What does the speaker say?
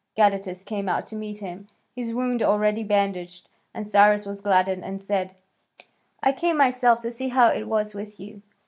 Gadatas came out to meet him, his wound already bandaged. And Cyrus was gladdened and said, "I came myself to see how it was with you."